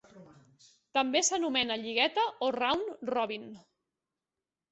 També s'anomena lligueta o round-robin.